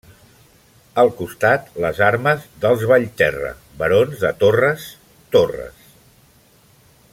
Al costat, les armes dels Vallterra, barons de Torres Torres.